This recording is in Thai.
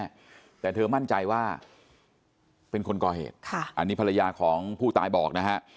แต่เธอมั่นใจว่าเป็นคนก่อเหตุค่ะอันนี้ภรรยาของผู้ตายบอกนะฮะ